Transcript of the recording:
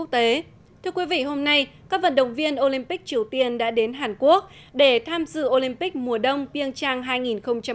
thưa quý vị hôm nay các vận động viên olympic triều tiên đã đến hàn quốc để tham dự olympic mùa đông biên trang hai nghìn một mươi tám